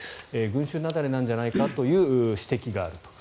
群衆雪崩なんじゃないかという指摘があると。